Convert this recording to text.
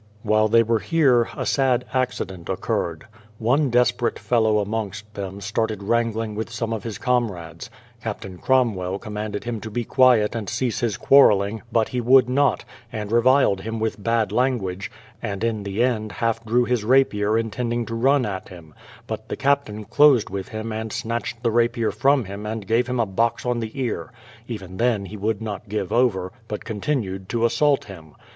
While they were here a sad accident occurred. One desperate fellow amongst them started wrangling with some of his comrades. Captain Cromwell commanded him to be quiet and cease his quarreling; but he would not, and reviled him with bad language, and in the end half drew his rapier intending to run at him; but the captain closed with him and snatched the rapier from him and gave him a box on the ear; even then he would not give over, but continued to assault him.